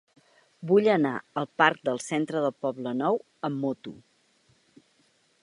Vull anar al parc del Centre del Poblenou amb moto.